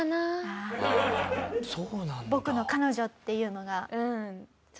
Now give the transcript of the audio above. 「僕の彼女」っていうのが？